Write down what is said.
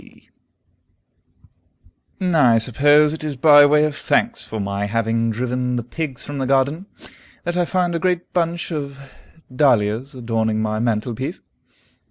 S.P." I suppose it is by way of thanks for my having driven the pigs from the garden, that I find a great bunch of dahlias adorning my mantelpiece.